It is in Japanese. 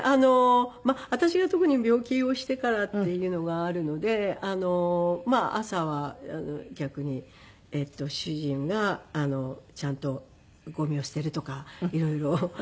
まあ私が特に病気をしてからっていうのがあるのでまあ朝は逆に主人がちゃんとゴミを捨てるとか色々。